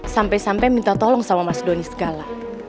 sampai sampai minta tolong sama mas doni skala